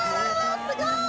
すごい！